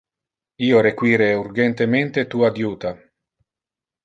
Io require urgentemente tu adjuta.